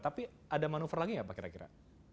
tapi ada manuver lagi ya pak kira kira